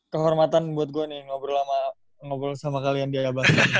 kehormatan buat gue nih ngobrol sama kalian di abas